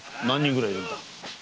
何人ぐらいいるんだ？